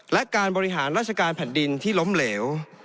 และการบริหารราชการแผ่นดินที่ล้มเหลว